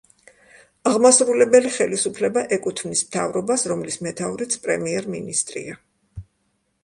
აღმასრულებელი ხელისუფლება ეკუთვნის მთავრობას, რომლის მეთაურიც პრემიერ-მინისტრია.